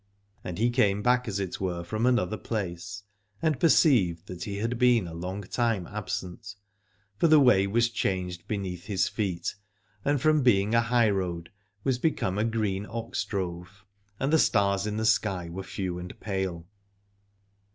And he came back as it were from another place, and perceived that he had been a long time absent, for the way was changed beneath his feet, and from being a high road was become a green ox drove, and the stars in the sky were few and pale.